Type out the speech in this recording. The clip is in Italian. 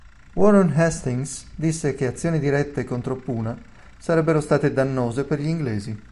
Warren Hastings disse che azioni dirette contro Puna sarebbero state dannose per gli inglesi.